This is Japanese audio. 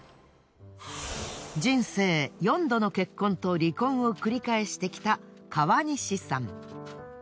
人生４度の結婚と離婚を繰り返してきた川西さん。